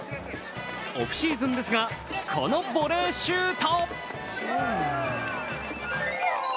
オフシーズンですがこのボレーシュート。